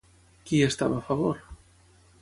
Qui hi estava a favor?